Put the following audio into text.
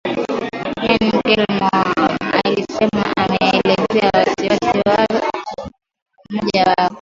Eamon Gilmore alisema ameelezea wasi wasi wa umoja huo